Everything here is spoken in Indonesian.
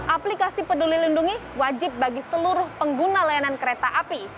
aplikasi peduli lindungi wajib bagi seluruh pengguna layanan kereta api